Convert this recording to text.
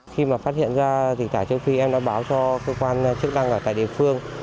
khi mà phát hiện ra dịch tả châu phi em đã báo cho cơ quan chức năng ở tại địa phương